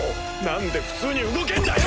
何で普通に動けんだよ！